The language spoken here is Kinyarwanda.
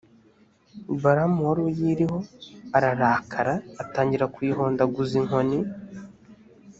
balamu wari uyiriho ararakara, atangira kuyihondaguza inkoni.